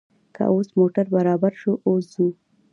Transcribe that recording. که اوس موټر برابر شو، اوس ځو.